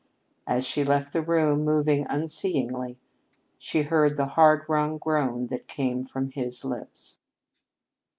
As she left the room, moving unseeingly, she heard the hard wrung groan that came from his lips.